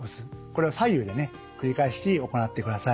これを左右でね繰り返し行ってください。